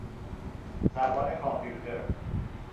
زبان کامپیوتر